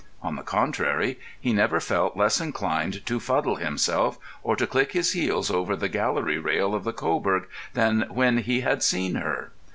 On the contrary, he never felt less inclination to fuddle himself or to click his heels over the gallery rail of the Cobourg than when he had seen her.